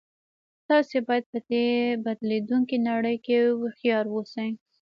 تاسې باید په دې بدلیدونکې نړۍ کې هوښیار اوسئ